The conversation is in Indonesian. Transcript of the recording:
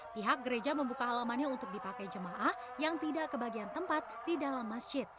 pihak gereja membuka halamannya untuk dipakai jemaah yang tidak kebagian tempat di dalam masjid